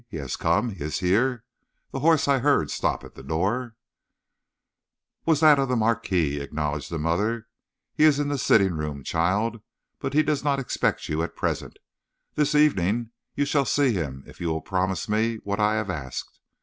He has come; he is here; the horse I heard stop at the door " "Was that of the marquis," acknowledged the mother. "He is in the sitting room, child, but he does not expect you at present. This evening you shall see him if you will promise me what I have asked.